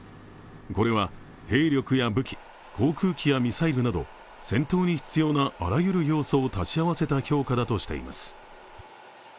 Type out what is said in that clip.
これは兵力や武器、航空機やミサイルなど戦闘に必要なあらゆる要素を足し合わせた評価だとしています。